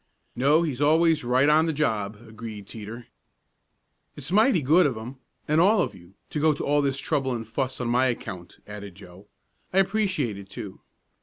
"No, he's always right on the job," agreed Teeter. "It's mighty good of him and all of you to go to all this trouble and fuss on my account," added Joe. "I appreciate it, too."